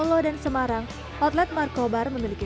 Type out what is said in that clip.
konsepnya seperti itu